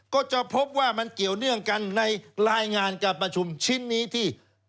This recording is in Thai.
ก็จะพบว่ามันเกี่ยวเนื่องกันในรายงานการประชุมชิ้นนี้ที่